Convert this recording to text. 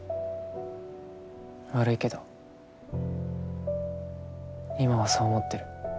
悪いけど今はそう思ってる。